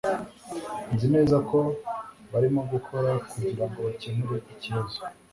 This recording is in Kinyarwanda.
Nzi neza ko barimo gukora kugirango bakemure ikibazo